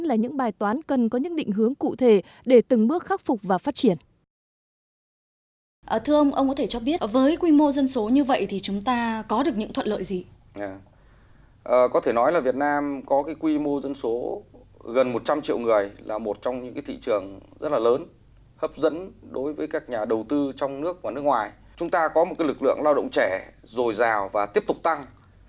là những bài toán cần có những định hướng cụ thể để từng bước khắc phục và phát triển